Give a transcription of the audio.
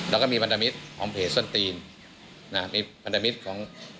และพันธมิตรของทเพจส้นตีน